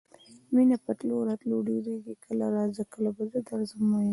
مینه په تلو راتلو ډیریږي کله راځه کله به زه درځم میینه